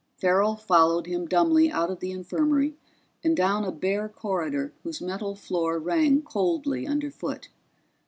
Farrell followed him dumbly out of the infirmary and down a bare corridor whose metal floor rang coldly underfoot.